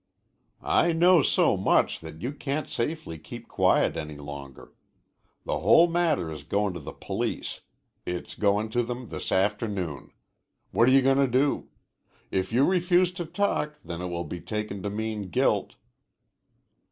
"I know so much that you can't safely keep quiet any longer. The whole matter is goin' to the police. It's goin' to them this afternoon. What are you goin' to do? If you refuse to talk, then it will be taken to mean guilt."